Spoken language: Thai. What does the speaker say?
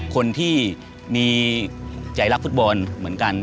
คนที่มีใจรักฟุตบอลเหมือนกัน